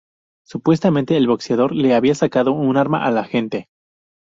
Supuestamente el boxeador le había sacado un arma al agente.